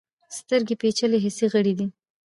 سترګې پیچلي حسي غړي دي.